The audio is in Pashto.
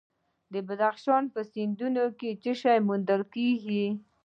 د بدخشان په سیندونو کې څه شی موندل کیږي؟